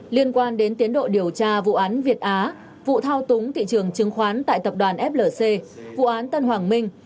liên quan đến tiến độ điều tra vụ án việt á vụ thao túng thị trường chứng khoán tại tập đoàn flc vụ án tân hoàng minh